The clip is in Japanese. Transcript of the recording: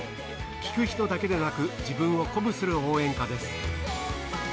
聴く人だけでなく自分を鼓舞する応援歌です。